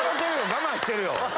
我慢してるよ。